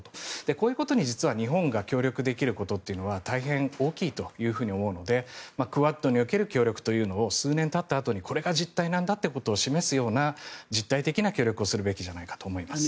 こういうことに実は日本が協力できることは大変大きいと思うのでクアッドにおける協力というのを数年たったあとにこれが実態なんだということを示すような実体的な協力をすべきじゃないかと思います。